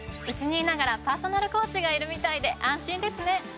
うちにいながらパーソナルコーチがいるみたいで安心ですね。